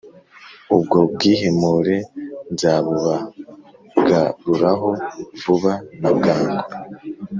ubwo bwihimure nzabubagaruraho vuba na bwangu,